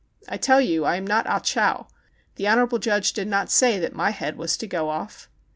" I tell you I am not Ah Chow. The honor able judge did not sav that my head was to go off."